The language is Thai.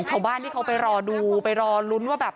ชาวบ้านที่เขาไปรอดูไปรอลุ้นว่าแบบ